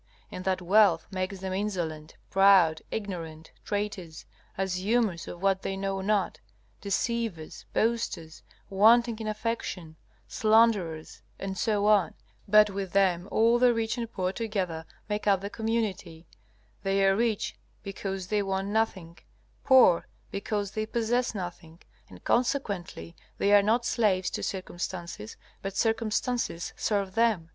and that wealth makes them insolent, proud, ignorant, traitors, assumers of what they know not, deceivers, boasters, wanting in affection, slanderers, etc. But with them all the rich and poor together make up the community. They are rich because they want nothing, poor because they possess nothing; and consequently they are not slaves to circumstances, but circumstances serve them.